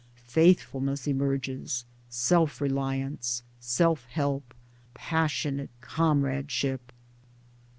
Faithfulness emerges, self reliance, self help, passionate comradeship.